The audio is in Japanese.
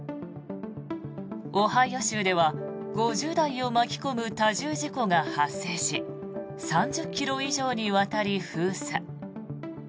オハイオ州では５０台を巻き込む多重事故が発生し３０ｋｍ以上にわたり封鎖。